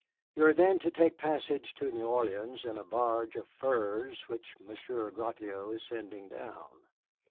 You are then to take passage to New Orleans in a barge of furs which Monsieur Gratiot is sending down.